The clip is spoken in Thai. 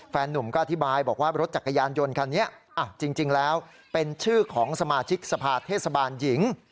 หนุ่มก็อธิบายบอกว่ารถจักรยานยนต์คันนี้จริงแล้วเป็นชื่อของสมาชิกสภาเทศบาลหญิง